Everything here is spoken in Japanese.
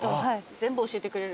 全部教えてくれる。